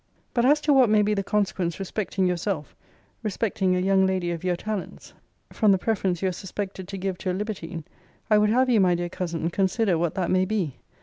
But as to what may be the consequence respecting yourself, respecting a young lady of your talents, from the preference you are suspected to give to a libertine, I would have you, my dear cousin, consider what that may be.